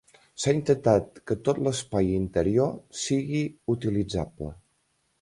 S'ha intentat que tot l'espai interior sigui utilitzable.